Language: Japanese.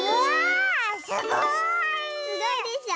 すごいでしょ？